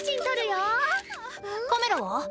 カメラは？